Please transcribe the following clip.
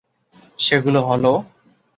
সেগুলো হলোঃ